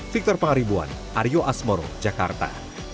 victor pangaribuan aryo asmoro jakarta